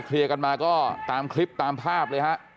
เคลียร์กันมาก็ตามคลิปตามภาพเลยฮะ